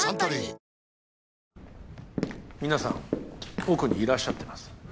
皆さん奥にいらっしゃってます